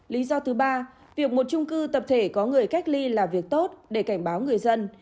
lý do thứ ba việc một trung cư tập thể có người cách ly là việc tốt để cảnh báo người dân